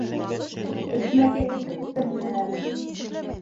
Тетмәкәйемде тетерҙәр.